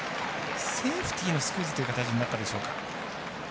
セーフティーのスクイズという形になったでしょうか。